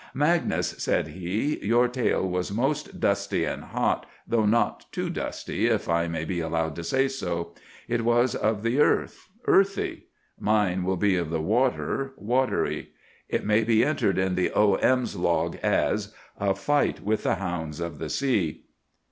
"Magnus," said he, "your tale was most dusty and hot, though not too dusty, if I may be allowed to say so. It was of the earth earthy; mine shall be of the water watery. It may be entered in the O. M.'s log as— "A FIGHT WITH THE HOUNDS OF THE SEA."